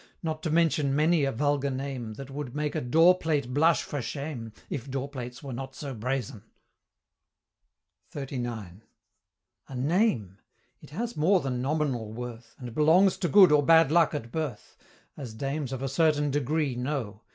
Not to mention many a vulgar name, That would make a door plate blush for shame, If door plates were not so brazen! XXXIX. A name? it has more than nominal worth, And belongs to good or bad luck at birth As dames of a certain degree know.